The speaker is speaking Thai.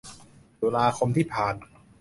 ตุลาคมที่ผ่าน